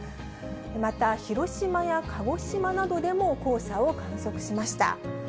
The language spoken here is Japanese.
また広島や鹿児島などでも黄砂を観測しました。